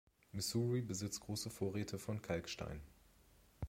Missouri besitzt große Vorräte von Kalkstein.